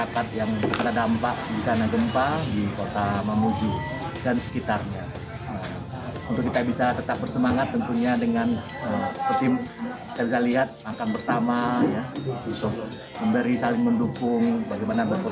kemenkes di wilayah kabupaten mamuju